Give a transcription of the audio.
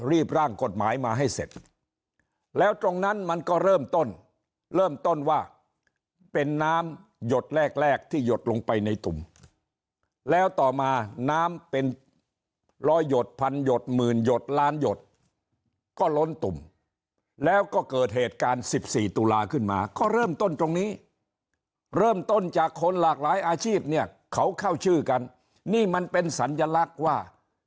ร่างกฎหมายมาให้เสร็จแล้วตรงนั้นมันก็เริ่มต้นเริ่มต้นว่าเป็นน้ำหยดแรกแรกที่หยดลงไปในตุ่มแล้วต่อมาน้ำเป็นรอยหยดพันหยดหมื่นหยดล้านหยดก็ล้นตุ่มแล้วก็เกิดเหตุการณ์๑๔ตุลาขึ้นมาก็เริ่มต้นตรงนี้เริ่มต้นจากคนหลากหลายอาชีพเนี่ยเขาเข้าชื่อกันนี่มันเป็นสัญลักษณ์ว่า